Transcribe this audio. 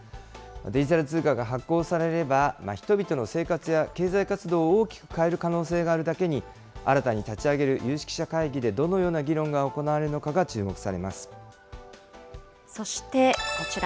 デジタル通貨が発行されれば、人々の生活や経済活動を大きく変える可能性があるだけに、新たに立ち上げる有識者会議で、どのような議論が行われるのかが注目さそして、こちら。